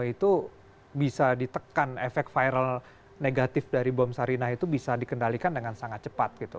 itu bisa ditekan efek viral negatif dari bom sarinah itu bisa dikendalikan dengan sangat cepat gitu